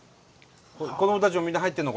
子どもたちもみんな入ってんの？